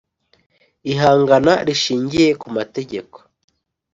ihangana rishingiye ku mategeko.